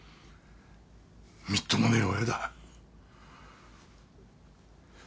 みっともねえ親だ。